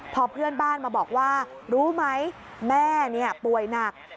พอเพื่อนบ้านมาบอกว่ารู้ไหมแม่ป่วยหนัก